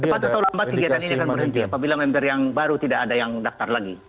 cepat atau lambat kegiatan ini akan berhenti apabila member yang baru tidak ada yang daftar lagi